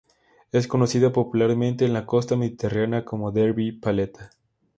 Es conocida popularmente en la costa mediterránea como Derbi "paleta".